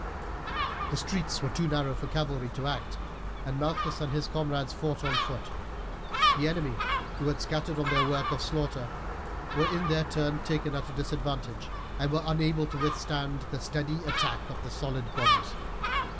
The streets were too narrow for cavalry to act, and Malchus and his comrades fought on foot. The enemy, who had scattered on their work of slaughter, were in their turn taken at a disadvantage, and were unable to withstand the steady attack of the solid bodies.